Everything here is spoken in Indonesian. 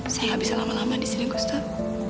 saya gak bisa lama lama disini gustaf